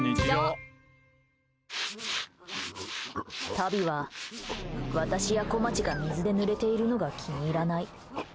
タビは、私やこまちが水でぬれているのが気に入らない。